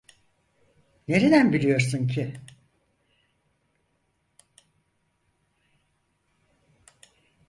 Nereden biliyorsun ki?